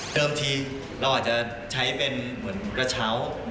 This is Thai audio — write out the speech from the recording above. ทีเราอาจจะใช้เป็นเหมือนกระเช้า